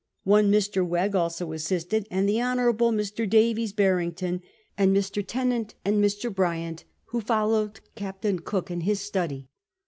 One Mr. Wegg also assisted, and the Honoiu'able Mr. Davies Barrington and Mr. Tennant and Mr. Bryant, who " followed Captain Cook in his study."